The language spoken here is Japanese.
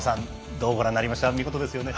どうご覧になりました見事ですよね。